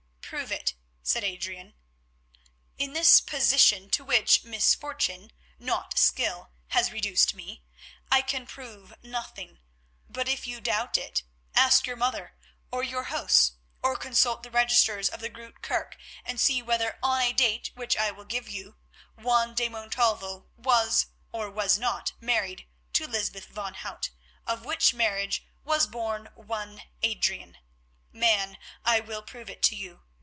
"Prove it," said Adrian. "In this position, to which misfortune, not skill, has reduced me, I can prove nothing. But if you doubt it, ask your mother, or your hosts, or consult the registers of the Groote Kerke, and see whether on a date, which I will give you, Juan de Montalvo was, or was not, married to Lysbeth van Hout, of which marriage was born one Adrian. Man, I will prove it to you.